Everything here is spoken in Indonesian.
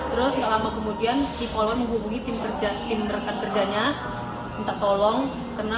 terus nggak lama kemudian si polwan hubungi tim kerja tim rekan kerjanya minta tolong karena